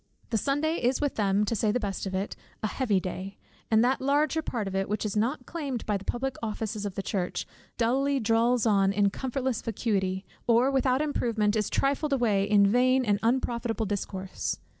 The Sunday is with them, to say the best of it, a heavy day; and that larger part of it, which is not claimed by the public offices of the church, dully drawls on in comfortless vacuity, or without improvement is trifled away in vain and unprofitable discourse.